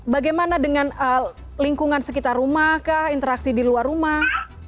bagaimana dengan lingkungan sekitar rumah kah interaksi di luar rumah